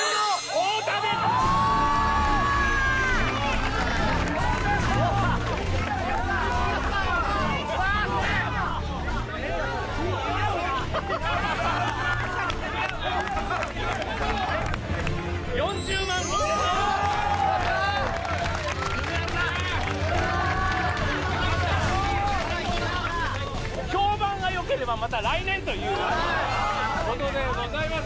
・太田さん評判がよければまた来年ということでございます